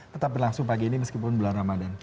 tetap berlangsung pagi ini meskipun bulan ramadan